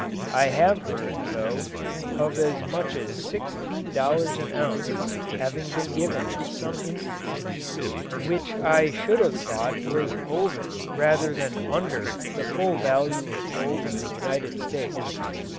I have heard, though, of as much as sixteen dollars an ounce having been given in some instances, which I should have thought was over rather than under the full value of gold in the United States.